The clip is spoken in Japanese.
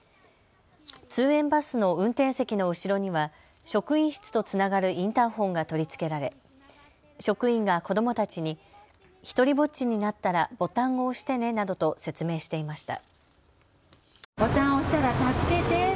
通園バスの運転席の後ろには職員室とつながるインターホンが取り付けられ職員が子どもたちに独りぼっちになったらボタンを押してねなどと説明していました。